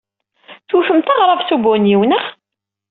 Tewtemt aɣrab s ubunyiw, naɣ?